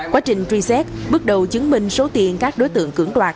quá trình truy xét bước đầu chứng minh số tiền các đối tượng cưỡng đoạt